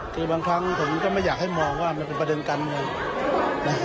คือบางครั้งผมก็ไม่อยากให้มองว่ามันเป็นประเด็นการเมืองนะ